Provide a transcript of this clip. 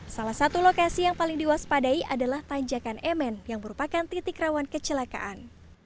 salah satu lokasi yang paling diwaspadai adalah tanjakan emen yang merupakan titik rawan kecelakaan